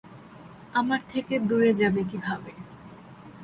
আমার থেকে দূরে যাবে কিভাবে?